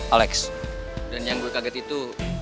alex dan yang gue kaget itu